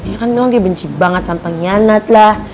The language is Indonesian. dia kan bilang dia benci banget sampe ngianet lah